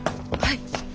はい。